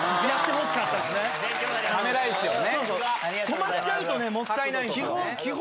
止まっちゃうともったいない。